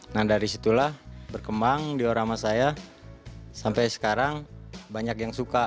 nah dari situlah berkembang diorama saya sampai sekarang banyak yang suka